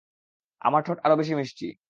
আমার ঠোঁট আরও বেশি মিষ্টি।